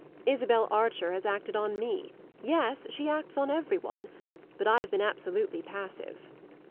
Isabel Archer has acted on me yes; she acts on every one. But I've been absolutely passive."